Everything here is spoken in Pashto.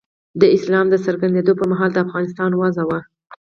د اسلام د څرګندېدو پر مهال د افغانستان وضع وه.